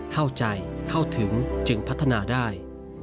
เข้าใจเข้าถึงจึงพัฒนาได้